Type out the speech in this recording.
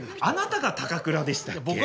あなたが高倉でしたっけ？